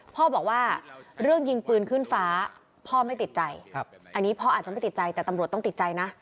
พ่อบอกว่าเรื่องยิงปืนขึ้นฟ้าพ่อไม่ติดใจอันนี้พ่ออาจจะไม่ติดใจแต่ตำรวจต้องติดใจนะ